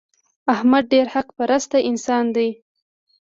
احمد ډېر حق پرسته انسان دی.